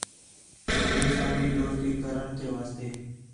میساں بھی دوستی کرݨ تے واسطے